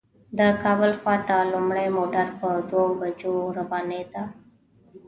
د کابل خواته لومړی موټر په دوو بجو روانېده.